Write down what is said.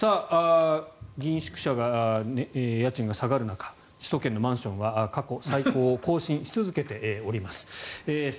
議員宿舎が家賃が下がる中首都圏のマンションは過去最高を更新し続けております。